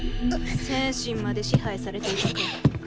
精神まで支配されているか。